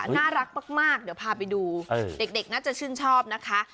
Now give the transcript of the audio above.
น่ารักมากเดี๋ยวพาไปดูเด็กน่าจะชื่นชอบนะคะ